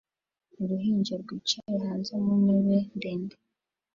Uruhinja rwicaye hanze mu ntebe ndende